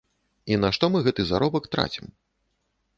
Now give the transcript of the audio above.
І на што мы гэты заробак трацім?